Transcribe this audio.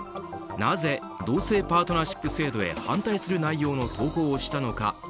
なぜ同性パートナーシップ制度へ反対する内容の投稿をしたのか。